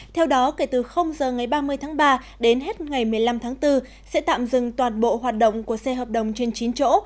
theo đó kể từ giờ ngày ba mươi tháng ba đến hết ngày một mươi năm tháng bốn sẽ tạm dừng toàn bộ hoạt động của xe hợp đồng trên chín chỗ